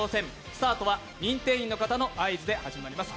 スタートは認定員の合図で始まります。